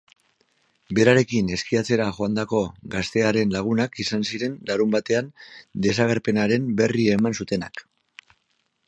Berarekin eskiatzera joandako gaztearen lagunak izan ziren larunbatean desagerpenaren berri eman zutenak.